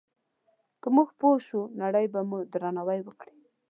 که موږ پوه شو، نړۍ به مو درناوی وکړي.